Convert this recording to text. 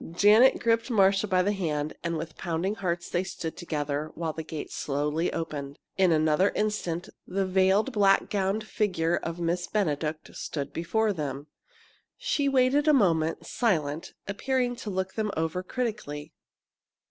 Janet gripped Marcia by the hand, and with pounding hearts they stood together, while the gate slowly opened. In another instant, the veiled, black gowned figure of Miss Benedict stood before them. She waited a moment, silent, appearing to look them over critically.